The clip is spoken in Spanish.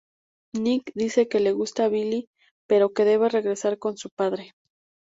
Nick dice que le gusta Billy, pero que debe regresar con su padre.